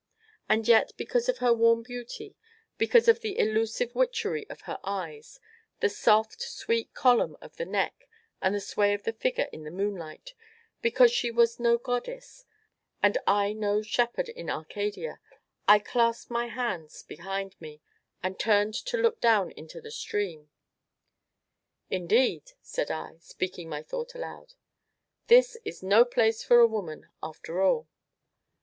And yet, because of her warm beauty, because of the elusive witchery of her eyes, the soft, sweet column of the neck and the sway of the figure in the moonlight because she was no goddess, and I no shepherd in Arcadia, I clasped my hands behind me, and turned to look down into the stream. "Indeed," said I, speaking my thought aloud, "this is no place for a woman, after all."